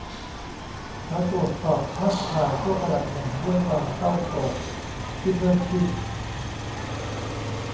เขาตรวจสอบภาพถ่ายชั่วขณะหนึ่งด้วยความเศร้าโศกที่เพิ่มขึ้น